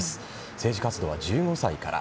政治活動は１５歳から。